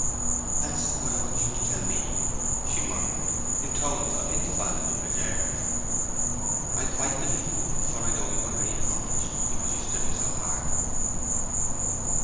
"That's what I want you to tell me," she murmured, in tones of indefinable reserve. "I quite believe in you, for I know you are very accomplished, because you study so hard."